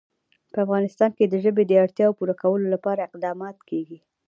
په افغانستان کې د ژبې د اړتیاوو پوره کولو لپاره اقدامات کېږي.